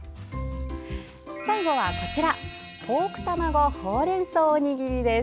最後は、こちらポーク卵ほうれんそうおにぎりです。